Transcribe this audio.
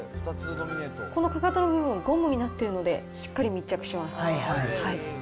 このかかとの部分、ゴムになってるので、しっかり密着します。